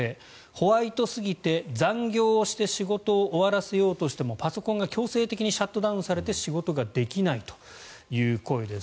ホワイトすぎて、残業をして仕事を終わらせようとしてもパソコンが強制的にシャットダウンされて仕事ができないという声です。